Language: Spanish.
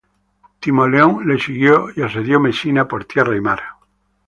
Timoleón le siguió y asedió Mesina por tierra y mar.